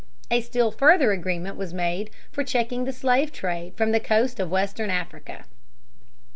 A still further agreement was made for checking the slave trade from the coast of western Africa.